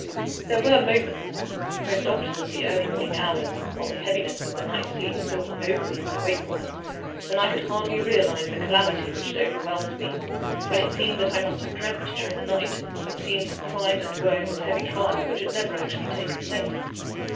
There were moments most often at the early morning hours, while the heaviness of the night's sleep still hung over me in my wakefulness when I could hardly realise the calamity which had overwhelmed me; when it seemed that I must have dreamt, during the night, of scenes of crime and woe and heavy trial which had never actually taken place.